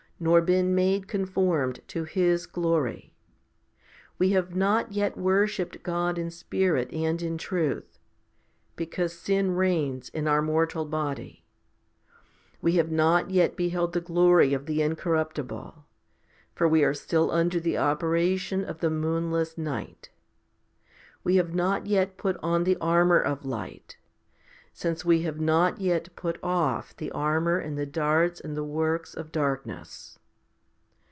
nor been made conformed to His glory. We have not yet worshipped God in spirit and in truth, 11 because sin reigns in our mortal body.' 1 ' 2 We have not yet beheld the glory of the incorruptible, for we are still under the operation of the moonless night 14 We have not yet put on the armour of light, 15 since we have not yet put off the armour and the darts and the works of darkness.